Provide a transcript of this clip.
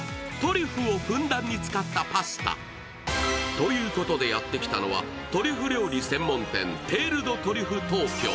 ということでやって来たのはトリュフ専門店、テール・ド・ドリュフ東京。